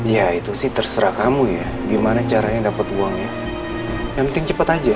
ya itu sih terserah kamu ya gimana caranya dapat uangnya yang penting cepat aja